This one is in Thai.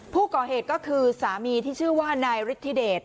ผู้ก่อเหตุก็คือสามีที่ชื่อว่านายฤทธิเดช